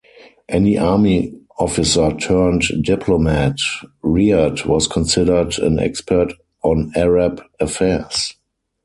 An army officer turned diplomat, Riad was considered an expert on Arab affairs.